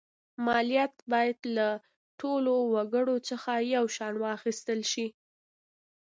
مالیات باید له ټولو وګړو څخه یو شان واخیستل شي.